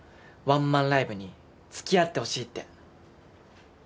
「ワンマンライブに付き合ってほしい」って。